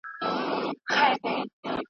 ورونه دي بند وي د مکتبونو `